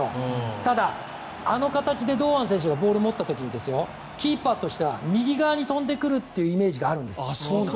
ただあの形で堂安選手がボールを持った時にキーパーとしては右側に飛んでくるというイメージがあるんです。